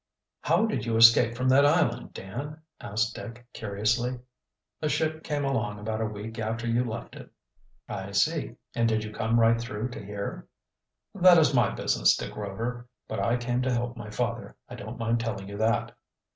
"How did you escape from that island, Dan?" asked Dick curiously. "A ship came along about a week after you left it." "I see. And did you come right through to here?" "That is my business, Dick Rover. But I came to help my father, I don't mind telling you that."